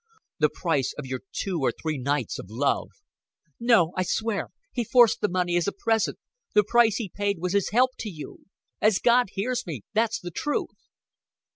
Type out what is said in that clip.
The price of your two or three nights of love." "No, I swear. He forced the money as a present. The price he paid was his help to you. As God hears me, that's the truth."